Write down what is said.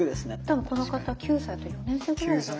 多分この方９歳って４年生ぐらい。